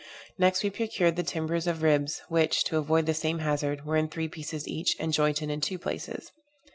Next we procured the timbers of ribs, which, to avoid the same hazard, were in three pieces each, and jointed in two places.